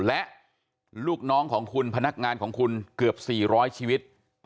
และลูกน้องของคุณพนักงานของคุณเกือบ๔๐๐ชีวิต